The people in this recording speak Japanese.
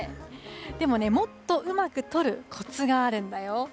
でもね、もっとうまく撮るこつがあるんだよ。